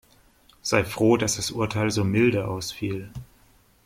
Sei froh, dass das Urteil so milde ausfiel.